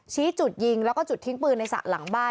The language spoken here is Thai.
ชี้จุดยิงแล้วก็จุดทิ้งปืนในสระหลังบ้าน